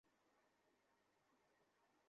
আমার ভাই মারা গেছে।